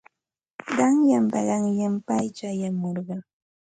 Qanyanpa qanyan pay chayamurqa.